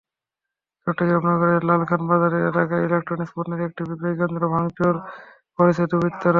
চট্টগ্রাম নগরের লালখান বাজার এলাকায় ইলেকট্রনিকস পণ্যের একটি বিক্রয়কেন্দ্রে ভাঙচুর করেছে দুর্বৃত্তরা।